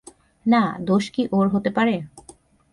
না, দোষ কি ওর হতে পারে ।